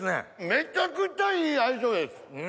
めちゃくちゃいい相性です。